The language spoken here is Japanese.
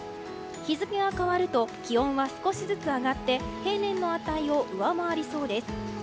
日付が変わると気温は少しずつ上がって平年の値を上回りそうです。